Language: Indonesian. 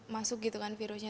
masih masuk virusnya